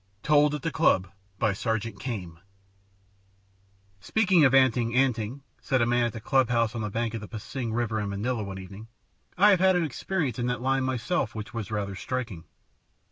TOLD AT THE CLUB "Speaking of 'anting anting,'" said a man at the club House on the bank of the Pasig river, in Manila, one evening, "I have had an experience in that line myself which was rather striking."